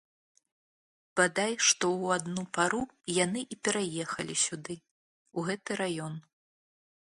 Бадай што ў адну пару яны і пераехалі сюды, у гэты раён.